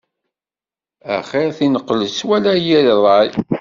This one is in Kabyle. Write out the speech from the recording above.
Axir tineqlebt wala yir ṛṛay.